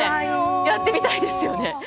やってみたいですよね。